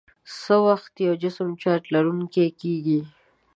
څه وخت یو جسم چارج لرونکی کیږي؟